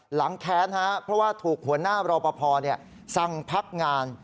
แค้นเพราะว่าถูกหัวหน้ารอปภสั่งพักงาน